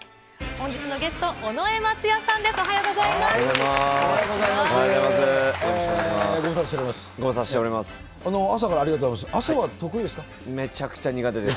本日のゲスト、尾上松也さんです。